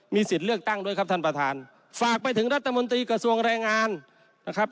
สิทธิ์เลือกตั้งด้วยครับท่านประธานฝากไปถึงรัฐมนตรีกระทรวงแรงงานนะครับ